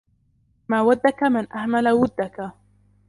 مَا وَدَّكَ مَنْ أَهْمَلَ وُدَّك